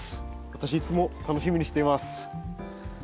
私いつも楽しみにしています。